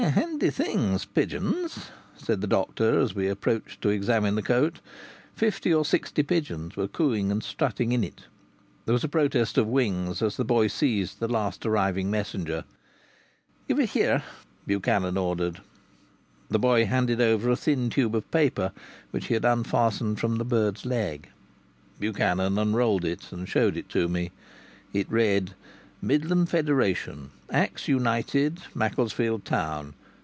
"Handy things, pigeons!" said the doctor as we approached to examine the cote. Fifty or sixty pigeons were cooing and strutting in it. There was a protest of wings as the boy seized the last arriving messenger. "Give it here!" Buchanan ordered. The boy handed over a thin tube of paper which he had unfastened from the bird's leg. Buchanan unrolled it and showed it to me. I read: "Midland Federation. Axe United, Macclesfield Town.